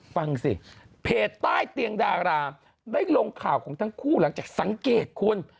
ฟังสิเพจใต้เตียงดาราได้ลงข่าวของทั้งคู่หลังจากสังเกตคุณ